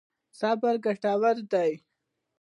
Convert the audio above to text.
صبر ګټور دی.